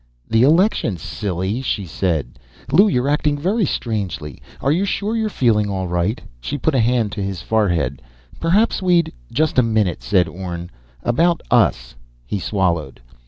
"The election, silly," she said. "Lew, you're acting very strangely. Are you sure you're feeling all right." She put a hand to his forehead. "Perhaps we'd " "Just a minute," said Orne. "About us " He swallowed.